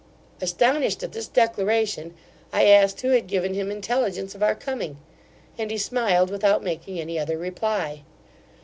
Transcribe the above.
Astonished at this declaration, I asked who had given him intelligence of our coming? and he smiled without making any other reply.